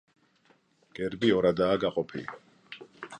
გერბი ორადაა გაყოფილი.